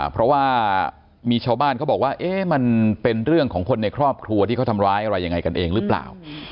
เพราะว่ามีชาวบ้านเขาบอกว่ามันเป็นเรื่องของคนในครอบครัวที่เขาทำร้ายอะไรยังไงกันเองหรือเปล่า